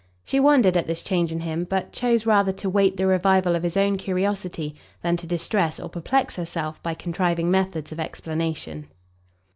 She wondered at this change in him, but chose rather to wait the revival of his own curiosity, than to distress or perplex herself by contriving methods of explanation.